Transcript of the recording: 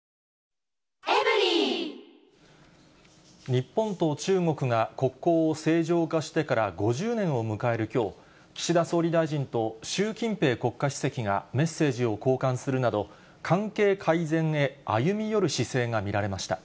日本と中国が国交を正常化してから５０年を迎えるきょう、岸田総理大臣と習近平国家主席がメッセージを交換するなど、関係改善へ歩み寄る姿勢が見られました。